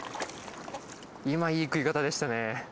今いい食い方でしたね